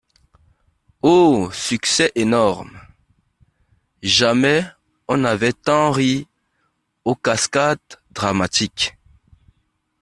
Oh ! succès énorme ! jamais on n'avait tant ri aux Cascades-Dramatiques !